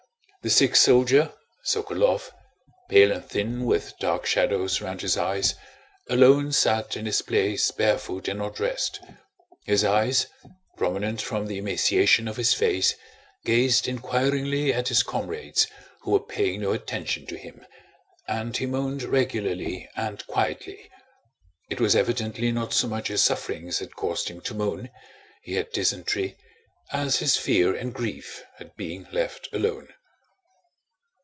The sick soldier, Sokolóv, pale and thin with dark shadows round his eyes, alone sat in his place barefoot and not dressed. His eyes, prominent from the emaciation of his face, gazed inquiringly at his comrades who were paying no attention to him, and he moaned regularly and quietly. It was evidently not so much his sufferings that caused him to moan (he had dysentery) as his fear and grief at being left alone.